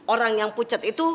orang yang pucet itu